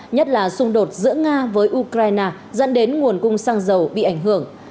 nhất là xung đột giữa nga với ukraine dẫn đến nguồn cung xăng dầu bị ảnh hưởng